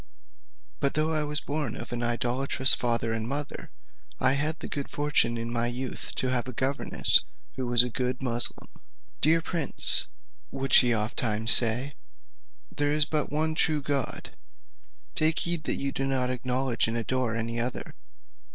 "But though I was born of an idolatrous father and mother, I had the good fortune in my youth to have a governess who was a good Moosulmaun. 'Dear prince,' would she oftentimes say, 'there is but one true God; take heed that you do not acknowledge and adore any other.'